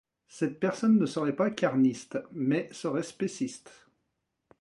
Cette personne ne serait pas carniste mais serait spéciste.